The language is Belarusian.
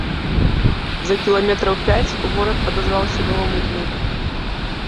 За кіламетраў пяць горад адазваўся новаму дню.